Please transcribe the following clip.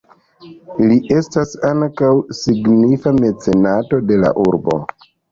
Li estis ankaŭ signifa mecenato de la urbo.